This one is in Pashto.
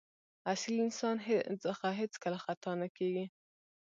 اصیل انسان څخه هېڅکله خطا نه کېږي.